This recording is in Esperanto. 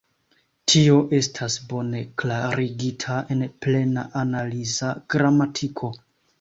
Tio estas bone klarigita en Plena Analiza Gramatiko.